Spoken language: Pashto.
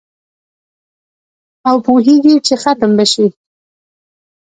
او پوهیږي چي ختم به شي